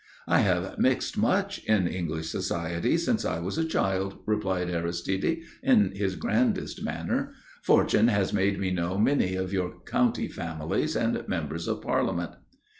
"I have mixed much in English society, since I was a child," replied Aristide, in his grandest manner. "Fortune has made me know many of your county families and members of Parliament."